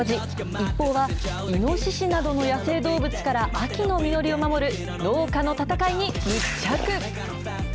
ＩＰＰＯＵは、イノシシなどの野生動物から秋の実りを守る農家の闘いに密着。